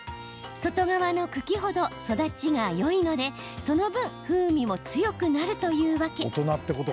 外側の茎ほど育ちがよいのでその分風味も強くなるというわけ。